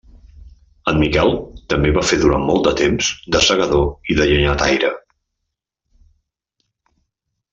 En Miquel també va fer durant molt de temps de segador i de llenyataire.